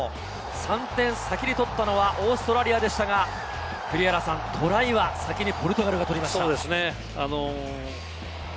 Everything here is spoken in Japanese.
３点先に取ったのはオーストラリアでしたが、栗原さん、トライは先にポルトガルが取りました。